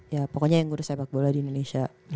ya pokoknya yang ngurus sepak bola di indonesia